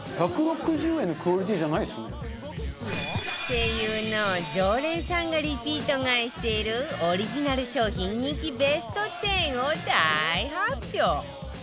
ＳＥＩＹＵ の常連さんがリピート買いしているオリジナル商品人気ベスト１０を大発表！